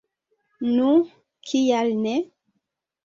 Nu, kial ne?